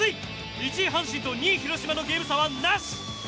１位阪神と２位広島のゲーム差はなし。